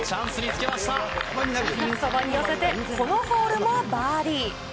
ピンそばに寄せてこのホールもバーディー。